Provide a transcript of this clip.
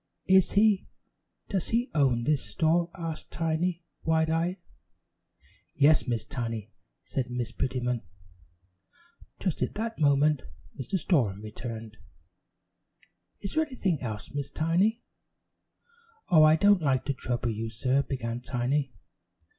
"Is he? Does he own this store?" asked Tiny, wide eyed. "Yes, Miss Tiny," said Miss Prettyman. Just at that moment Mr. Storem returned. "Is there anything else, Miss Tiny?" "Oh, I don't like to trouble you, sir," began Tiny.